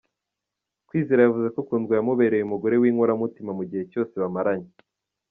Kwizera yavuze ko Kundwa yamubereye umugore w’inkoramutima mu gihe cyose bamaranye.